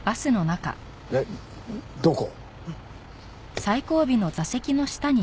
えっどこ？